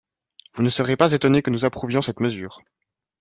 Vous ne serez pas étonnés que nous approuvions cette mesure.